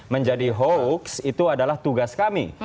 menjadi hoax itu adalah tugas kami